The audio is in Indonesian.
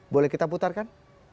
boleh kita putarkan